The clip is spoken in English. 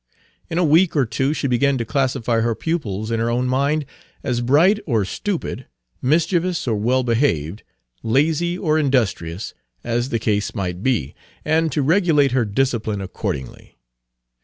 In a week or two she began to classify her pupils in her own mind, as bright or stupid, mischievous or well behaved, lazy or industrious, as the case might be, and to regulate her discipline accordingly.